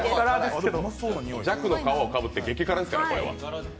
弱の皮をかぶって激辛ですからね。